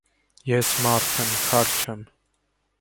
Ես մարդ եմ, քար չեմ…